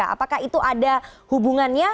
apakah itu ada hubungannya